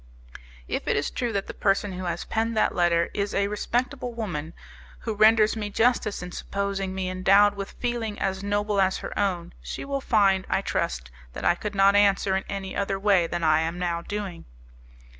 "If it is true that the person who has penned that letter is a respectable woman, who renders me justice in supposing me endowed with feeling as noble as her own, she will find, I trust, that I could not answer in any other way than I am doing now.